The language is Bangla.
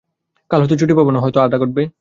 কাল হয়তো ছুটি পাব না, হয়তো বাধা ঘটবে।